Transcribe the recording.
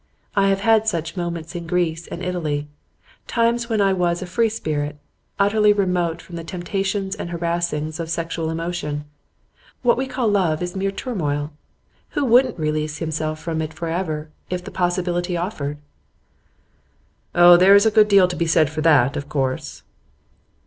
I have had such moments in Greece and Italy; times when I was a free spirit, utterly remote from the temptations and harassings of sexual emotion. What we call love is mere turmoil. Who wouldn't release himself from it for ever, if the possibility offered?' 'Oh, there's a good deal to be said for that, of course.